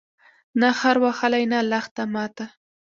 نه خر وهلی، نه لښته ماته